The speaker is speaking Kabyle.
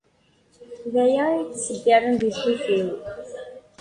D aya i y-ittṣebbiren di lḥif-iw.